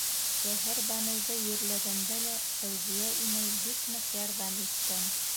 Шәһәрбаныуҙы ерләгәндә лә Фәүзиә инәй бик ныҡ ярҙам иткән.